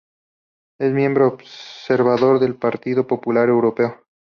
Es miembro observador del Partido Popular Europeo.